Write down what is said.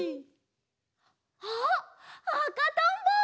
あっあかとんぼ！